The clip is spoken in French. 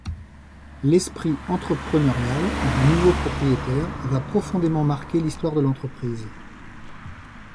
L'esprit entrepreneurial du nouveau propriétaire va profondément marquer l'histoire de l'entreprise.